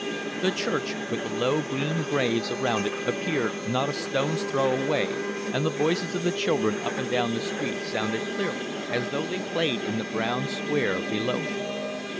The church, with the low green graves around it, appeared not a stone's throw away, and the voices of the children up and down the street sounded clearly, as though they played in the brown square below me.